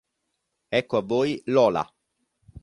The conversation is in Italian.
Ecco a voi Lola!